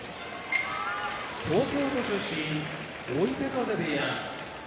東京都出身追手風部屋